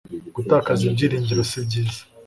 gutakaza ibyiringiro si byiza